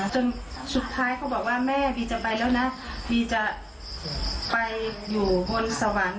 จนสุดท้ายเขาบอกว่าแม่บีจะไปแล้วนะบีจะไปอยู่บนสวรรค์